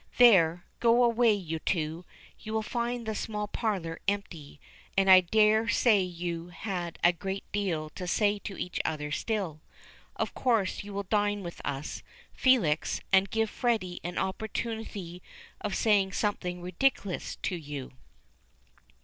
There, go away you two; you will find the small parlor empty, and I dare say you have a great deal to say to each other still. Of course you will dine with us, Felix, and give Freddy an opportunity of saying something ridiculous to you."